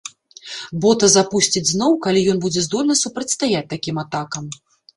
Бота запусцяць зноў, калі ён будзе здольны супрацьстаяць такім атакам.